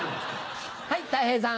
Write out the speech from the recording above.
はいたい平さん。